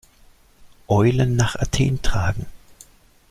Eulen nach Athen tragen.